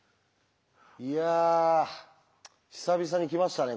いや久々にきましたね